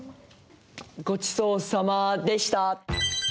「ごちそうさまでした」。